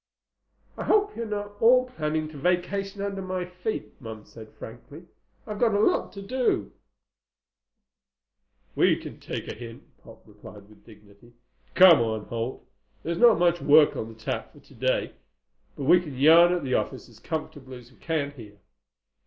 "I hope you're not all planning to vacation under my feet," Mom said frankly. "I've got a lot to do today." "We can take a hint," Pop replied with dignity. "Come on, Holt. There's not much work on tap for today, but we can yarn at the office as comfortably as we can here.